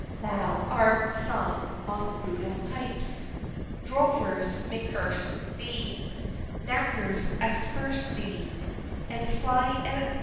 Thou art sung on brutal pipes! Drovers may curse thee, Knackers asperse thee, And sly M.P.'